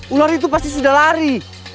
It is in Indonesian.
ular itu pasti sudah lari